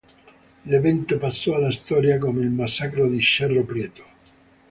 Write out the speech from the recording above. L'evento passò alla storia come il massacro di Cerro Prieto.